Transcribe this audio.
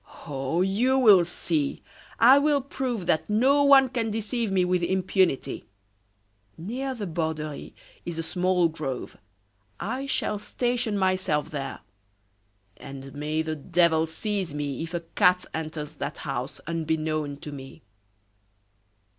"Oh! you will see. I will prove that no one can deceive me with impunity. Near the Borderie is a small grove. I shall station myself there; and may the devil seize me if a cat enters that house unbeknown to me."